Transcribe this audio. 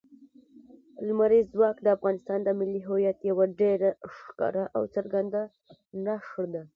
لمریز ځواک د افغانستان د ملي هویت یوه ډېره ښکاره او څرګنده نښه ده.